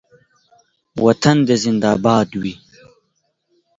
وطن دې زنده باد وي